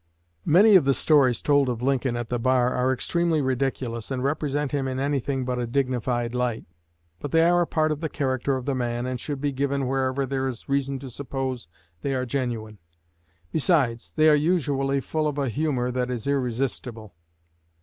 Many of the stories told of Lincoln at the bar are extremely ridiculous, and represent him in anything but a dignified light. But they are a part of the character of the man, and should be given wherever there is reason to suppose they are genuine. Besides, they are usually full of a humor that is irresistible.